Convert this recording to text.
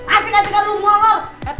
asik asikan lu molot